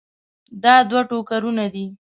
دا دوه ټوکرونه دي.